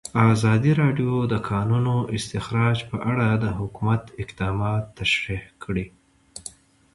ازادي راډیو د د کانونو استخراج په اړه د حکومت اقدامات تشریح کړي.